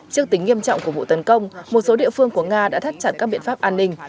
trước tính nghiêm trọng của vụ tấn công một số địa phương của nga đã thắt chặt các biện pháp an ninh